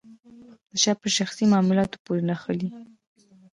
د چا په شخصي معاملاتو پورې نښلي.